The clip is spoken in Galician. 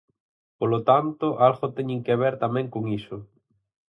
Polo tanto, algo teñen que ver tamén con iso.